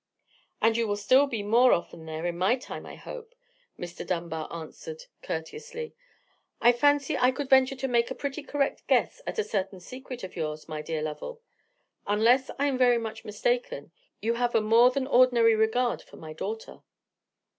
"And you will still be more often there in my time, I hope," Henry Dunbar answered, courteously. "I fancy I could venture to make a pretty correct guess at a certain secret of yours, my dear Lovell. Unless I am very much mistaken, you have a more than ordinary regard for my daughter."